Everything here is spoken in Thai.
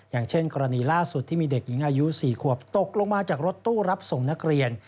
อย่างเช่นกรณีล่าสุดที่มีเด็กหญิงอายุ๔ขวบตกลงมาจากรถตู้รับส่งนักเรียน